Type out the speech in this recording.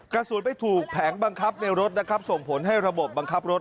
กระสุนไปถูกแผงบังคับในรถนะครับส่งผลให้ระบบบังคับรถ